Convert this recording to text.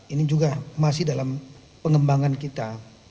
ini juga masih dalam pengembangan kita